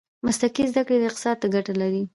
مسلکي زده کړې اقتصاد ته ګټه لري.